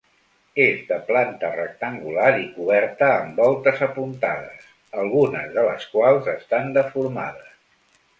És de planta rectangular i coberta amb voltes apuntades, algunes de les quals estan deformades.